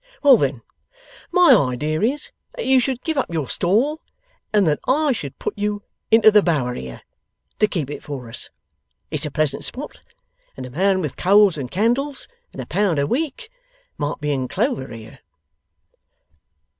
Well, then; my idea is, that you should give up your stall, and that I should put you into the Bower here, to keep it for us. It's a pleasant spot; and a man with coals and candles and a pound a week might be in clover here.